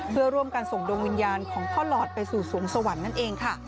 เพื่อร่วมกันส่งดวงวิญญาณของพ่อหลอดไปสู่สวงสวรรค์นั่นเองค่ะ